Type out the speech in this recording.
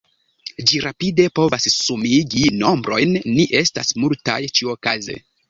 Ĝi rapide povas sumigi nombrojn, ni estas multaj, ĉiuokaze.